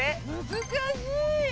難しい！